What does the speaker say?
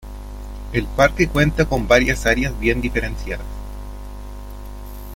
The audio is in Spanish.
El parque cuenta con varias áreas bien diferenciadas.